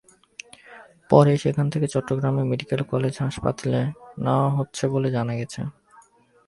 পরে সেখান থেকে চট্টগ্রাম মেডিকেল কলেজ হাসপাতালে নেওয়া হচ্ছে বলে জানা গেছে।